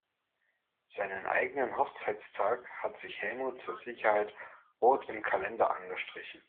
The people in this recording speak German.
Seinen eigenen Hochzeitstag hat sich Helmut zur Sicherheit rot im Kalender angestrichen.